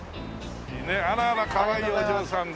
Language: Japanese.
ねっあらあらかわいいお嬢さんでね。